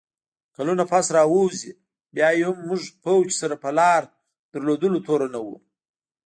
کلونه پس راووځي، بیا یې هم موږ پوځ سره په لار لرلو تورنوو